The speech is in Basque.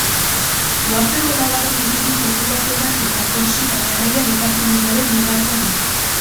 Uharteko laugarren hiririk populatuena eta Korsika Garaia departamenduaren bigarrena da.